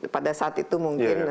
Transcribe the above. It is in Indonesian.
pada saat itu mungkin